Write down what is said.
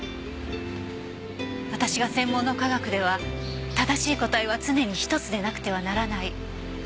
私が専門の科学では正しい答えは常に一つでなくてはならない。